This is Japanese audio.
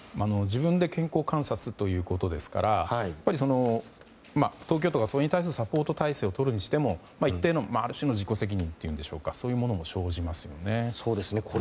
自分で健康観察ということですから東京都がそれに対してサポート体制をとるにしても一定のある種の自己責任というのでしょうかそういうものも生じますよね。